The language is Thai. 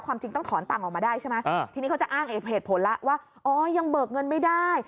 จริงต้องถอนตังค์ออกมาได้ใช่ไหมทีนี้เขาจะอ้างเหตุผลแล้วว่าอ๋อยังเบิกเงินไม่ได้